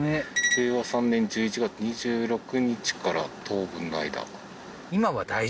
「令和３年１１月２６日から当分の間」